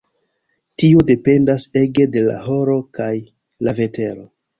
Tio dependas ege de la horo kaj la vetero.